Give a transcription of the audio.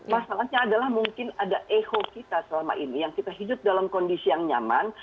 masalahnya adalah mungkin ada eho kita selama ini yang kita hidup dalam kondisi yang nyaman